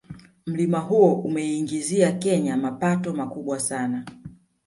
Mlima huo umeiingizia kenya mapato makubwa sana